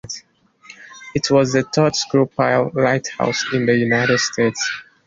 It was the third screw-pile lighthouse in the United States.